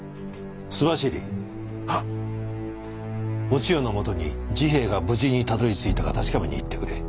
お千代のもとに治平が無事にたどりついたか確かめに行ってくれ。